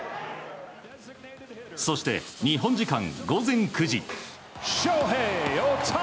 そして、日本時間午前９時。